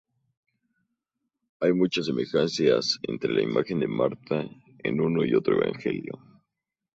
Hay muchas semejanzas entre la imagen de Marta en uno y otro evangelio.